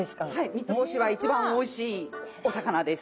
三つ星は一番おいしいお魚です。